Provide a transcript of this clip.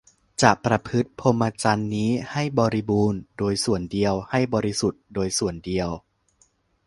จะประพฤติพรหมจรรย์นี้ให้บริบูรณ์โดยส่วนเดียว ให้บริสุทธิ์โดยส่วนเดียว